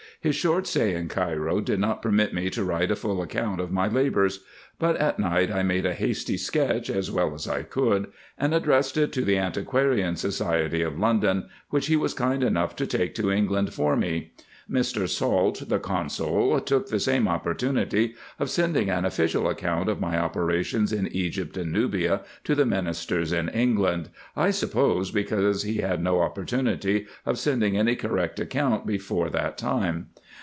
His short stay in Cairo did not permit me to write a full account of my labours ; but at night I made a hasty sketch as well as I could, and addressed it to the Antiquarian Society of London, which he was kind enough to take to England for me. Mr. Salt, the consul, took the same opportunity of sending an official account of my operations in Egypt and Nubia to the ministers in England, I suppose because he had no opportunity of sending any correct account before that time.